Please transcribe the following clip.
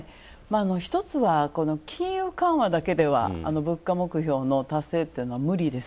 １つは金融緩和だけでは物価目標の達成っていうのは無理です。